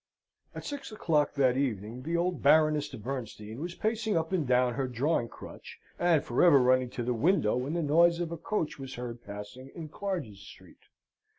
At six o'clock that evening the old Baroness de Bernstein was pacing up and down her drawing crutch, and for ever running to the window when the noise of a coach was heard passing in Clarges Street.